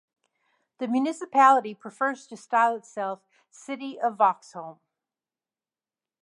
The municipality prefers to style itself "City of Vaxholm".